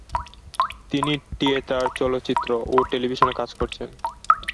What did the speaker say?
তিনি থিয়েটার, চলচ্চিত্র ও টেলিভিশনে কাজ করেছেন।